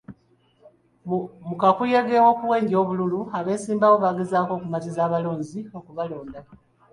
Mu kakuyege w'okuwenja obululu, abeesimbyewo bagezaako okumatiza abalonzi okubalonda.